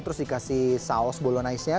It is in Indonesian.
terus dikasih saus bolonice nya